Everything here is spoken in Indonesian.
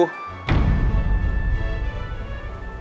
aku mau ke rumah